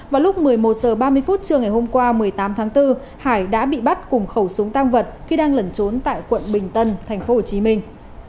vào lúc một mươi một h ba mươi phút trưa ngày hôm qua một mươi tám tháng bốn hải đã bị bắt cùng khẩu súng tang vật khi đang lẩn trốn tại quận bình tân thành phố hồ chí minh